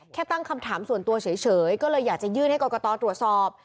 แค่ตั้งคำถามส่วนตัวเฉยก็เลยอยากจะยื่นให้กรกตตรวจสอบ